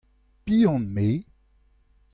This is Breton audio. Piv on-me ?